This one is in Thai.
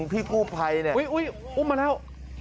พี่กู้ไพเนี่ยอุ้ยอุ้ยอุ้มมาแล้ว